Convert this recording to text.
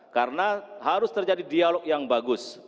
karena harus terjadi dialog yang bagus